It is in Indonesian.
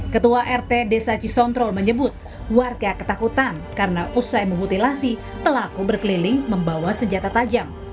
ketua rt desa cisongtrol menyebut warga ketakutan karena usai memutilasi pelaku berkeliling membawa senjata tajam